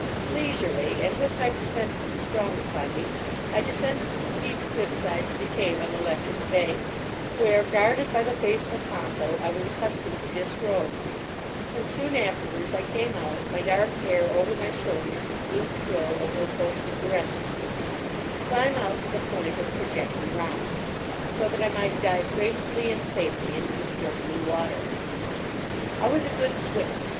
Leisurely, and with my presentiment strong upon me, I descended the steep cliffside to the cave on the left of the bay, where, guarded by the faithful Ponto, I was accustomed to disrobe; and soon afterwards I came out, my dark hair over my shoulders and blue twill over a portion of the rest of me, to climb out to the point of the projecting rocks, so that I might dive gracefully and safely into the still blue water. I was a good swimmer.